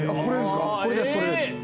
これですか？